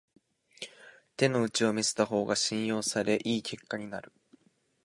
手の内を見せた方が信用され良い結果になる